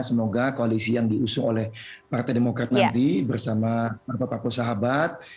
semoga koalisi yang diusung oleh partai demokrat nanti bersama bapak sahabat